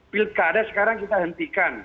pilih keadaan sekarang kita hentikan